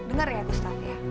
dengar ya gustaf ya